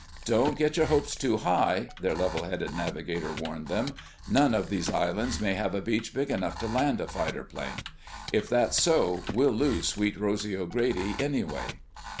"Don't get your hopes too high," their levelheaded navigator warned them. "None of these islands may have a beach big enough to land a fighter plane. If that's so, we'll lose Sweet Rosy O'Grady anyway."